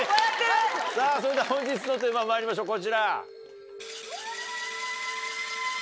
さぁそれでは本日のテーマまいりましょうこちら。